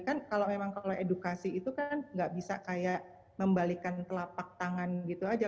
kan kalau memang kalau edukasi itu kan nggak bisa kayak membalikan telapak tangan gitu aja